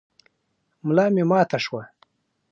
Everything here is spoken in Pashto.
ملا مي ماته شوه .